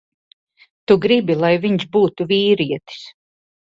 Tu gribi, lai viņš būtu vīrietis.